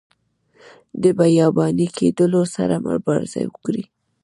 د بیاباني کیدلو سره مبارزه وکړي.